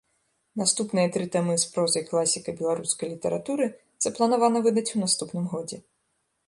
Наступныя тры тамы з прозай класіка беларускай літаратуры запланавана выдаць у наступным годзе.